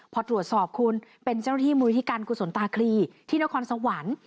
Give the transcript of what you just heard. พอตรวจสอบคุณเป็นเจ้าหน้าที่มูลที่การกุศลตาคลีที่นครสวรรค์